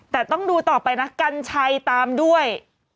แต่ต้องดูต่อไปนะกัญชัยตามด้วย